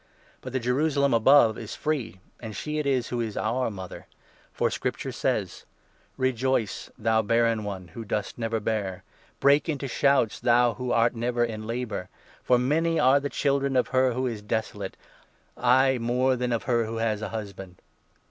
But the Jerusalem 26 above is free, and she it is who is our mother. For Scripture 27 says — 1 Rejoice, thou barren one, who dost never bear, Break into shouts, thou who art never in labour, For many are the children of her who is desolate — aye, more than of her who has a husband.'